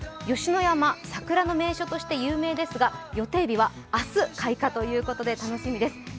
吉野山、桜の名所として有名ですが予定日は明日開花ということで、楽しみです。